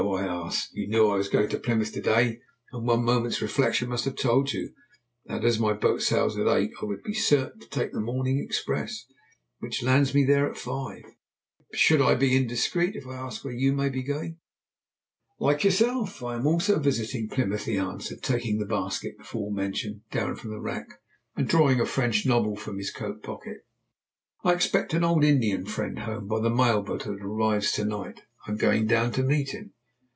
I asked. "You knew I was going to Plymouth to day, and one moment's reflection must have told you, that as my boat sails at eight, I would be certain to take the morning express, which lands me there at five. Should I be indiscreet if I asked where you may be going?" "Like yourself, I am also visiting Plymouth," he answered, taking the basket, before mentioned, down from the rack, and drawing a French novel from his coat pocket. "I expect an old Indian friend home by the mail boat that arrives to night. I am going down to meet him."